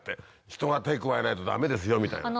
人が手を加えないとダメですよみたいな。